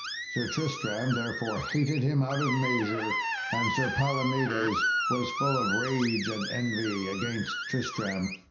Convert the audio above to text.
Sir Tristram therefore hated him out of measure, and Sir Palomedes was full of rage and envy against Tristram.